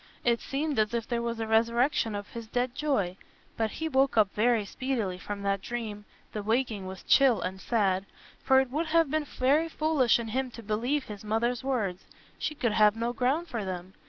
It seemed as if there were a resurrection of his dead joy. But he woke up very speedily from that dream (the waking was chill and sad), for it would have been very foolish in him to believe his mother's words—she could have no ground for them.